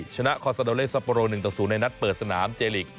ชนะคอนซาโดเลซัปโปร๑ต่อ๐ในนัดเปิดสนามเจลิก